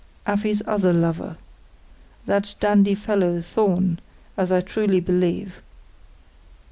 "Afy's other lover. That dandy fellow, Thorn, as I truly believe."